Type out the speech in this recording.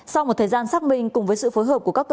sau một thời gian xác minh cùng với sự phối hợp của các cơ sở